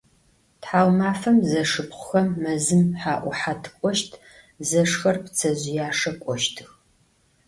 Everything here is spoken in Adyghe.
Thaumafem zeşşıpxhuxem mezım ha'uhe tık'oşt, zeşşxer ptsezjıyaşşe k'oştıx.